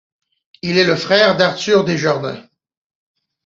Il est le frère d'Arthur Desjardins.